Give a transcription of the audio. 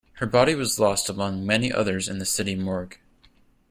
Her body was lost among the many others in the city morgue.